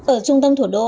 ở trung tâm thủ đô